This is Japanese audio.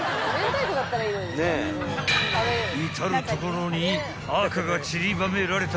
［至る所に赤がちりばめられた］